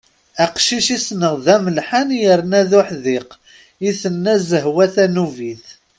Aqcic i ssneɣ d amellḥan yerna d uḥdiq i tenna Zehwa tanubit.